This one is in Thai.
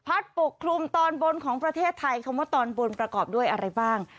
ปกคลุมตอนบนของประเทศไทยคำว่าตอนบนประกอบด้วยอะไรบ้าง